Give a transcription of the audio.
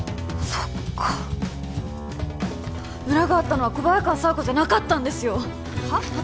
そっか裏があったのは小早川佐和子じゃなかったんですよはっ？